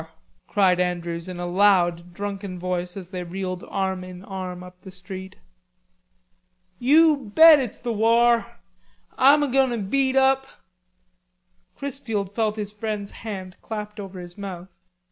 cried Andrews in a loud drunken voice as they reeled arm in arm up the street. "You bet it's the war.... Ah'm a goin' to beat up...." Chrisfield felt his friend's hand clapped over his mouth.